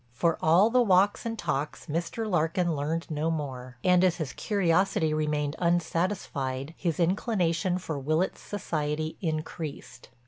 For all the walks and talks Mr. Larkin learned no more, and as his curiosity remained unsatisfied his inclination for Willitts' society increased.